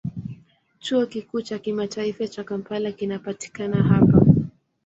Chuo Kikuu cha Kimataifa cha Kampala kinapatikana hapa.